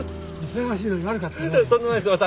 忙しいのに悪かったね。